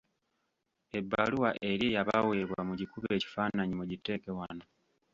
Ebbaluwa eri eyabaweebwa mugikube ekifaananyi mugiteeke wano.